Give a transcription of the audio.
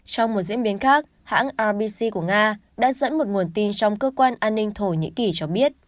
trong một diễn biến khác hãng rbc của nga đã dẫn một nguồn tin trong cơ quan an ninh thổ nhĩ kỳ cho biết